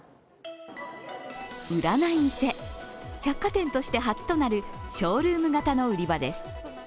売らない店、百貨店として初となるショールーム型の売り場です。